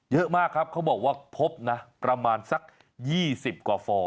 เยอะมากครับเขาบอกว่าพบนะประมาณสัก๒๐กว่าฟอง